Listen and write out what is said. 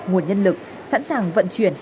nguồn nhân lực sẵn sàng vận chuyển